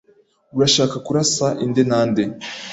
Urashaka kurasa inde na nde?